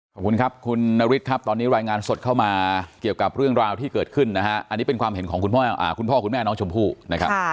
ขอบคุณครับคุณนฤทธิ์ครับตอนนี้รายงานสดเข้ามาเกี่ยวกับเรื่องราวที่เกิดขึ้นนะฮะอันนี้เป็นความเห็นของคุณพ่อคุณแม่น้องชมพู่นะครับ